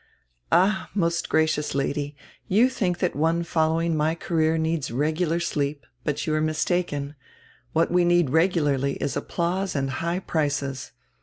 "Ah, most gracious Lady, you think that one following my career needs regular sleep, but you are mis taken. What we need regularly is applause and high prices.